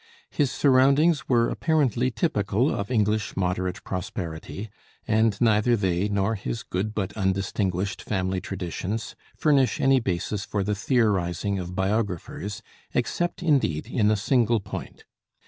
His surroundings were apparently typical of English moderate prosperity, and neither they, nor his good but undistinguished family traditions, furnish any basis for the theorizing of biographers, except indeed in a single point.